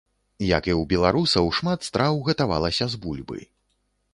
Як і ў беларусаў, шмат страў гатавалася з бульбы.